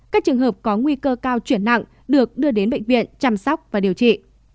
các trường hợp có nguy cơ cao chuyển nặng được đưa đến bệnh viện chăm sóc và điều trị